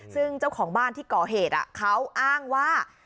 ซึ่งเจ้าของบ้านที่ก่อเหตุเขาอ้างว่า